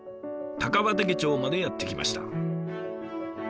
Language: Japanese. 高畑町までやって来ました。